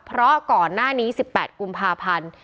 เพราะก่อนหน้านี้๑๘กุมภาพันธ์